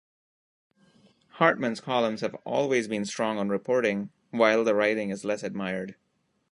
Hartman's columns have always been strong on reporting, while the writing is less admired.